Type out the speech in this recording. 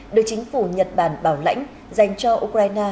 được chính phủ nhật bản bảo lãnh dành cho ukraine